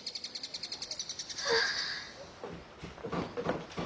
はあ。